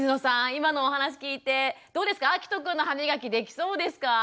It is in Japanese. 今のお話聞いてどうですかあきとくんの歯みがきできそうですか？